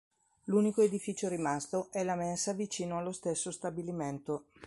L'unico edificio rimasto è la mensa vicino allo stesso stabilimento.